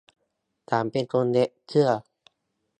ฉันเป็นคนเย็บเสื้อ